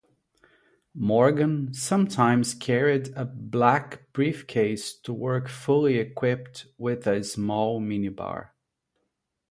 Morgan sometimes carried a black briefcase to work fully equipped with a small mini-bar.